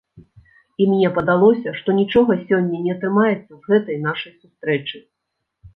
І мне падалося, што нічога сёння не атрымаецца з гэтай нашай сустрэчы.